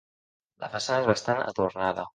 La façana és bastant adornada.